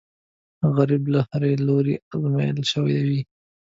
غریب له هرې لورې ازمېیل شوی وي